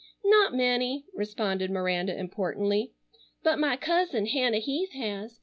"Not many," responded Miranda importantly, "but my cousin Hannah Heath has.